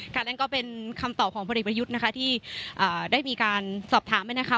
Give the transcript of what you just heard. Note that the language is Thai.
การแรงก็เป็นคำตอบของพลิปยุทธ์นะคะที่อ่าได้มีการสอบถามไหมนะคะ